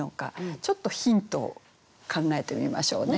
ちょっとヒントを考えてみましょうね。